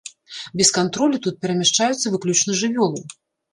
Без кантролю тут перамяшчаюцца выключна жывёлы.